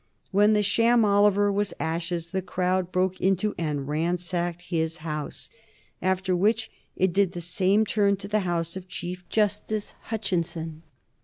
When the sham Oliver was ashes the crowd broke into and ransacked his house, after which it did the same turn to the house of Chief Justice Hutchinson.